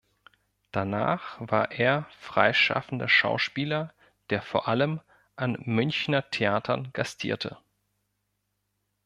Danach war er freischaffender Schauspieler, der vor allem an Münchner Theatern gastierte.